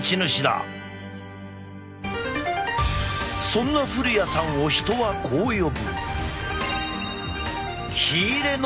そんな古屋さんを人はこう呼ぶ。